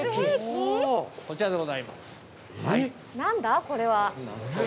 こちらでございますはい。